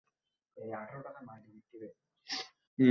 তিনি বঙ্গীয় ব্যবস্থাপক সভার নেতা মনোনীত হন।